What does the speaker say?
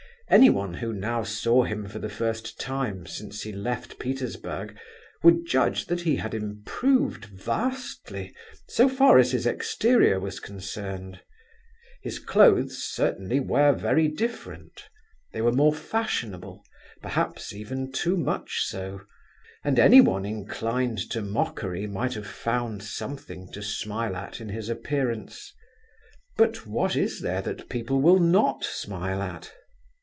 Anyone who now saw him for the first time since he left Petersburg would judge that he had improved vastly so far as his exterior was concerned. His clothes certainly were very different; they were more fashionable, perhaps even too much so, and anyone inclined to mockery might have found something to smile at in his appearance. But what is there that people will not smile at?